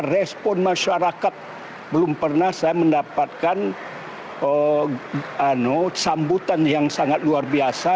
respon masyarakat belum pernah saya mendapatkan sambutan yang sangat luar biasa